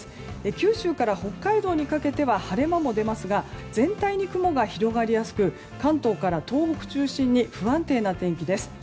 九州から北海道にかけては晴れ間も出ますが全体に雲が広がりやすく関東から東北中心に不安定な天気です。